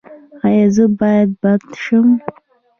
ایا زه باید بد شم؟